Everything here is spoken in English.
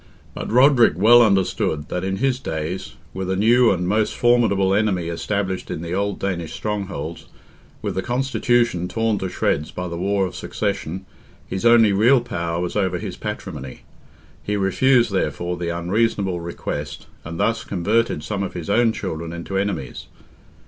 But Roderick well understood that in his days, with a new and most formidable enemy established in the old Danish strongholds, with the Constitution torn to shreds by the war of succession, his only real power was over his patrimony; he refused, therefore, the unreasonable request, and thus converted some of his own children into enemies.